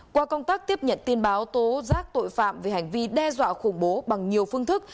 qua công tác tiếp nhận tin báo tố giác tội phạm về hành vi đe dọa khủng bố bằng nhiều phương thức